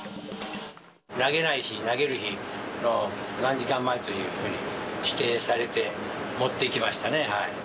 投げない日、投げる日、何時間前というふうに指定されて、持っていきましたね。